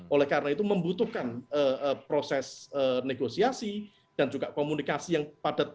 oleh karena itu membutuhkan proses negosiasi dan juga komunikasi yang padat